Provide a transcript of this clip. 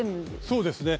そうですね。